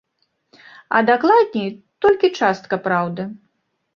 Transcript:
А дакладней, толькі частка праўды.